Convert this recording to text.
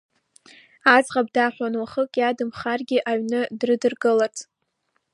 Аӡӷаб даҳәон уахык иадамхаргьы аҩны дрыдыркыларц.